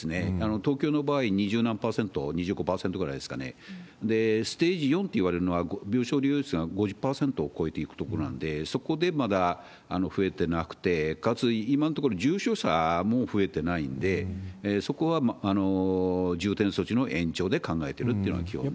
東京の場合、二十何％、２５％ぐらいですかね、ステージ４といわれるのは、病床利用率が５０％を超えていくところなんで、そこでまだ増えてなくて、かつ今のところ重症者も増えてないんで、そこは重点措置の延長で考えてるっていうのが基本です。